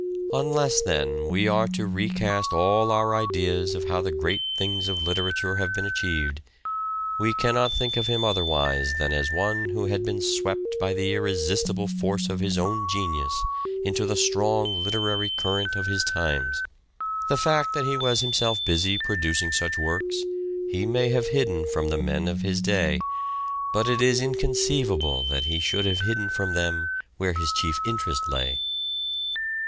Unless, then, we are to recast all our ideas of how the great things of literature have been achieved, we cannot think of him otherwise than as one who had been swept by the irresistible force of his own genius into the strong literary current of his times. The fact that he was himself busy producing such works, he may have hidden from the men of his day, but it is inconceivable that he should have hidden from them where his chief interest lay.